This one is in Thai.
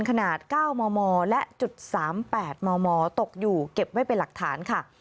ขนาด๙มมและจุด๓๘มมตกอยู่เก็บไว้เป็นหลักฐานค่ะ